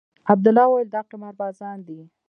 عبدالله وويل دا قمار بازان دي.